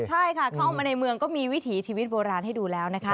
ใช่ค่ะเข้ามาในเมืองก็มีวิถีชีวิตโบราณให้ดูแล้วนะคะ